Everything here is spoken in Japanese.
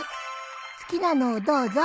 好きなのをどうぞ。